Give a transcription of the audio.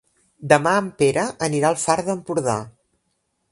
Demà en Pere anirà al Far d'Empordà.